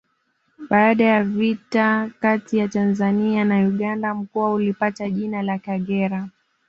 Baada ya vita kati ya Tanzania na Uganda mkoa ulipata jina la Kagera